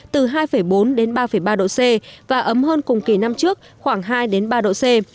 từ hai bốn đến ba ba độ c và ấm hơn cùng kỳ năm trước khoảng hai ba độ c